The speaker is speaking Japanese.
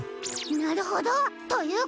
なるほど。ということは。